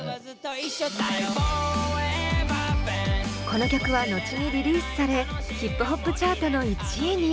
この曲は後にリリースされヒップホップチャートの１位に。